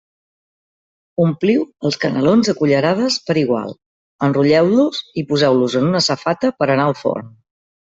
Ompliu els canelons a cullerades per igual, enrotlleu-los i poseu-los en una safata per a anar al forn.